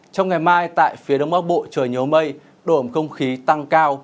trong ngày mai tại phía đông bắc bộ trời nhớ mây độ ẩm không khí tăng cao